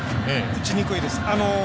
打ちにくいです。